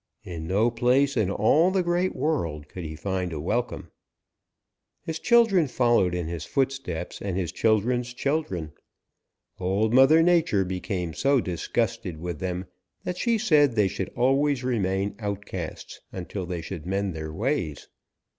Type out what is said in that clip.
In no place in all the Great World could he find a welcome. "His children followed in his footsteps, and his children's children. Old Mother Nature became so disgusted with them that she said that they should always remain outcasts until they should mend their ways.